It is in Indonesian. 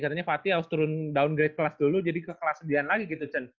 katanya fatih harus turun downgrade kelas dulu jadi ke kelas sediaan lagi gitu chen